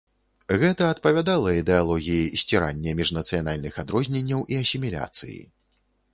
Гэта адпавядала ідэалогіі сцірання міжнацыянальных адрозненняў і асіміляцыі.